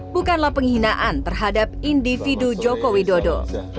bukanlah penghinaan terhadap individu jokowi dodo